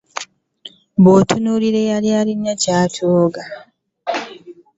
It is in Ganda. Bwotunulira eyali anyirira yakogga ,